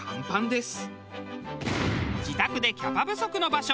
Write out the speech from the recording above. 自宅でキャパ不足の場所